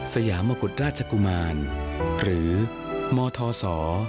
สยามกุฎราชกุมารหรือมทศ